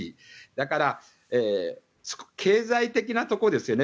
だから、経済的なところですね